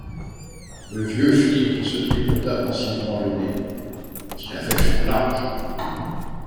Le vieux flic se tripota pensivement le nez, qu’il avait fort large.